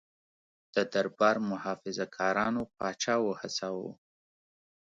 د دربار محافظه کارانو پاچا وهڅاوه.